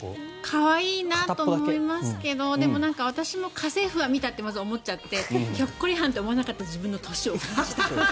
可愛いと思いますけど私はまず「家政婦は見た！」と思っちゃってまず、思っちゃってひょっこりはんって思わなかった自分の年を感じた。